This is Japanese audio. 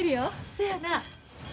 そやな。